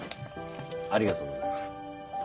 ありがとうございます。